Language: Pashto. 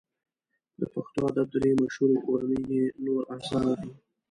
د پښتو ادب درې مشهوري کورنۍ یې نور اثار دي.